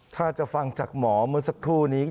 ถ้าจะฟังจากหมอเมื่อสักครู่นี้